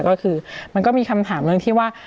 ก็คือมันก็มีคำถามเรื่องที่ว่า